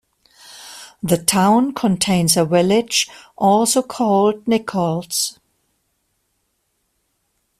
The town contains a village also called Nichols.